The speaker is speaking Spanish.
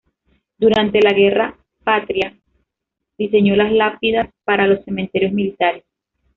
Durante la Gran Guerra Patria, diseñó las lápidas para los cementerios militares.